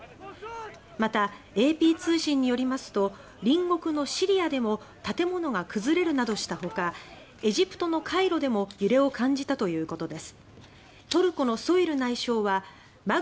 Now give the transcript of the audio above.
また、ＡＰ通信によりますと隣国のシリアでも建物が崩れるなどしたほかエジプトのカイロでも揺れを感じたということです。